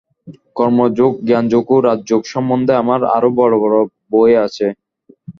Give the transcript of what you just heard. কর্মযোগ, জ্ঞানযোগ ও রাজযোগ সম্বন্ধে আমার আরও বড় বড় বই আছে।